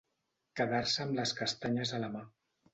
Quedar-se amb les castanyes a la mà.